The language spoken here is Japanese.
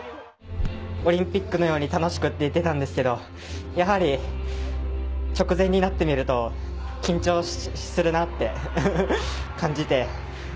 オリンピックのように始めて楽しく出ていったんですが直前になってみると緊張するなと感じて